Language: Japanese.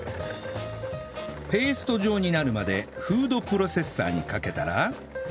ペースト状になるまでフードプロセッサーにかけたら